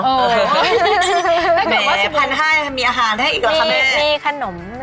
หมายถึงว่า๑๕๐๐บาทมีอาหารให้อีกหรอคะแม่